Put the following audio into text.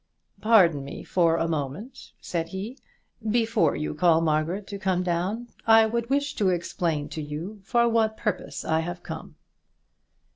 "Pardon me for a moment," said he. "Before you call Margaret to come down I would wish to explain to you for what purpose I have come here."